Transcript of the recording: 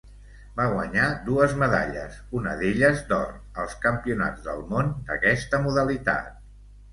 Va guanyar dues medalles, una d'elles d'or, als Campionats del món d'aquesta modalitat.